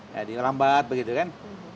ya di lambat begitu kan